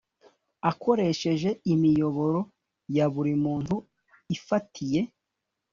akoresheje imiyoboro ya buri muntu ifatiye